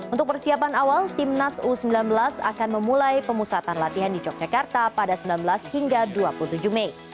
untuk persiapan awal timnas u sembilan belas akan memulai pemusatan latihan di yogyakarta pada sembilan belas hingga dua puluh tujuh mei